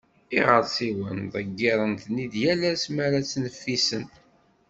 Iɣersiwen, ḍeggiren-t-id yal ass mi ara ttneffisen.